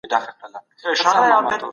مغول به په راتلونکي کي نوې سيمي لټوي.